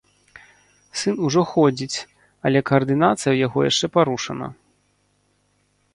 Сын ужо ходзіць, але каардынацыя ў яго яшчэ парушана.